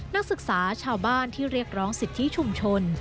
นักศึกษาชาวบ้านที่เรียกร้องสิทธิชุมชน